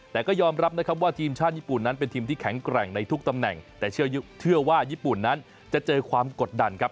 แต่ก็ยอมรับนะครับว่าทีมชาติญี่ปุ่นนั้นเป็นทีมที่แข็งแกร่งในทุกตำแหน่งแต่เชื่อว่าญี่ปุ่นนั้นจะเจอความกดดันครับ